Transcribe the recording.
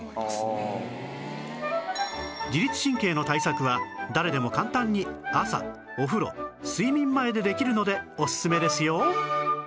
自律神経の対策は誰でも簡単に朝お風呂睡眠前でできるのでおすすめですよ